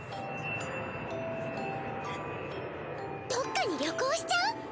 どっかに旅行しちゃう？